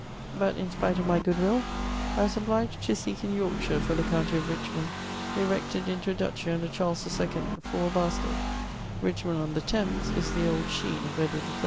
But in spite of my good will, I was obliged to seek in Yorkshire for the county of Richmond, erected into a duchy under Charles IL, for a bastard ; Richmond on the Thames is the old Sheen of Edward III.